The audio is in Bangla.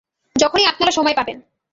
যখনই আপনারা সময় পাবেন।